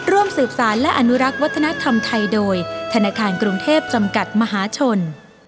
ร่วมสืบสารและอนุรักษ์วัฒนธรรมไทยโดยธนาคารกรุงเทพจำกัดมหาชน